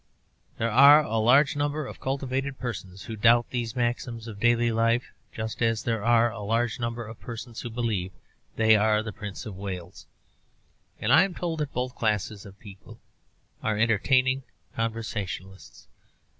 There are a large number of cultivated persons who doubt these maxims of daily life, just as there are a large number of persons who believe they are the Prince of Wales; and I am told that both classes of people are entertaining conversationalists.